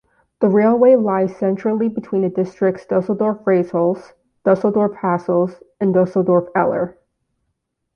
The railway lies centrally between the districts Düsseldorf-Reisholz, Düsseldorf-Hassels and Düsseldorf Eller.